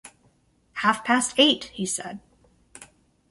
“Half-past eight!” he said.